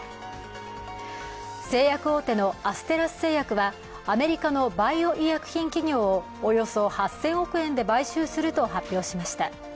製薬大手のアステラス製薬は、アメリカのバイオ医薬品企業をおよそ８０００億円で買収すると発表しました。